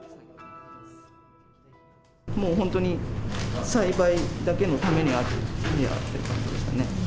もう本当に、栽培だけのためにある部屋っていう感じでしたね。